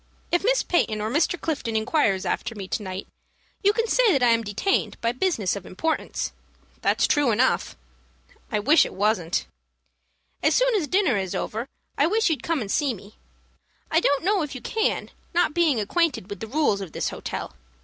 If Miss Peyton or Mr. Clifton inquires after me to night, you can say that I am detained by business of importance. That's true enough. I wish it wasn't. As soon as dinner is over, I wish you'd come and see me. I don't know if you can, not being acquainted with the rules of this hotel.